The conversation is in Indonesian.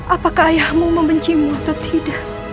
apakah ayahmu membencimu atau tidak